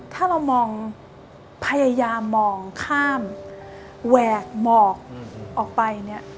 ถ้าเรามองพยายามมองข้ามแหวกหมอกออกไปเนี่ย